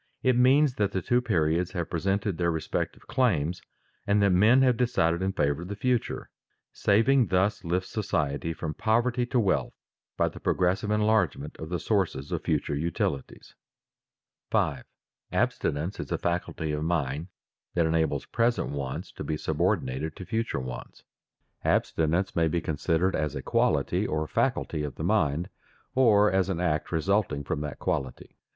It means that the two periods have presented their respective claims and that men have decided in favor of the future. Saving thus lifts society from poverty to wealth by the progressive enlargement of the sources of future utilities. [Sidenote: The kinds of abstinence] 5. Abstinence is the faculty of mind that enables present wants to be subordinated to future wants. Abstinence may be considered as a quality, or faculty, of the mind, or as an act resulting from that quality.